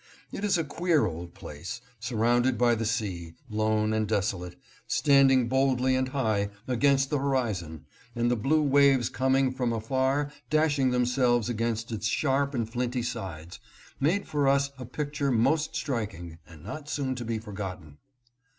It is a queer old place, surrounded by the sea, lone and desolate, standing boldly and high against the horizon, and the blue waves coming from afar dash ing themselves against its sharp and flinty sides, made for us a picture most striking and not soon to be forgot ten.